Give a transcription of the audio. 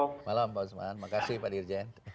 selamat malam pak usman terima kasih pak dirjen